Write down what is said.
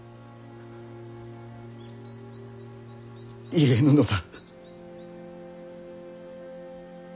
言えぬのだ。